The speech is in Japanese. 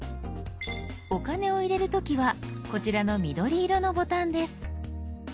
お金を入れる時はこちらの緑色のボタンです。